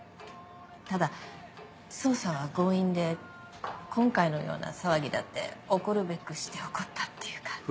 ただ捜査は強引で今回のような騒ぎだって起こるべくして起こったっていうか。